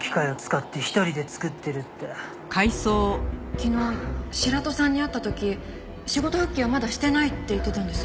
昨日白土さんに会った時仕事復帰はまだしてないって言ってたんです。